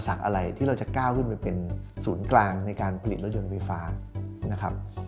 อะไรที่เราจะก้าวขึ้นไปเป็นศูนย์กลางในการผลิตรถยนต์ไฟฟ้านะครับ